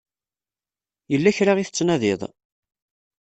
Yella kra i tettnadiḍ?